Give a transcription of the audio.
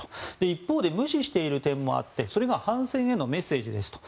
一方で無視している点もあってそれが反戦へのメッセージですと。